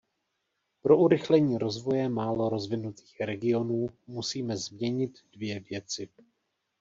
Pro urychlení rozvoje málo rozvinutých regionů musíme změnit dvě věci.